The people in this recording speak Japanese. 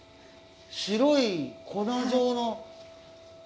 白い粉状の。